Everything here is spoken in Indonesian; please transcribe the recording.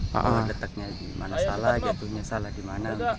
kalau detaknya dimana salah jatuhnya salah dimana